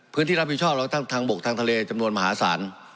พื้นที่รับผิดชอบเราทางบกทางทะเลจำนวนมหาศาล